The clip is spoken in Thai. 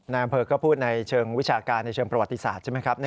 นายอำเภอก็พูดในเชิงวิชาการในเชิงประวัติศาสตร์ใช่ไหมครับ